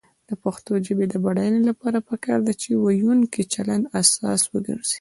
د پښتو ژبې د بډاینې لپاره پکار ده چې ویونکو چلند اساس وګرځي.